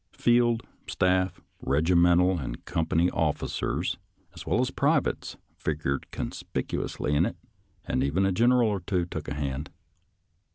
Field, staff, regimental, and company officers, as well as privates, figured conspicuously in it, and even a general or two took a hand.